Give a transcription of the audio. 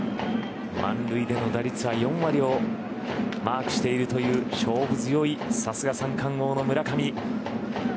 満塁での打率は４割をマークしているという勝負強い、さすが三冠王の村上。